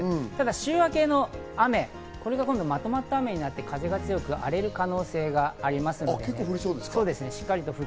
週明けの雨がまとまった雨になって風が強く、荒れる可能性があります。